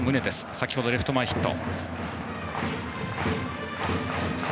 先ほどレフト前ヒット。